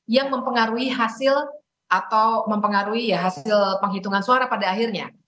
yang mempengaruhi hasil penghitungan suara pada akhirnya